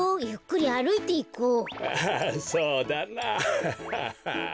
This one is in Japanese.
アハハそうだな。ハハハ。